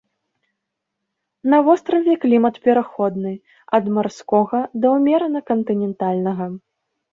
На востраве клімат пераходны ад марскога да ўмерана-кантынентальнага.